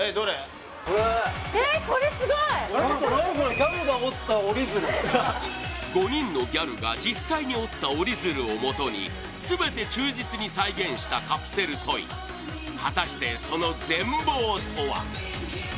これ５人のギャルが実際に折った折り鶴をもとに全て忠実に再現したカプセルトイ果たしてその全貌とは？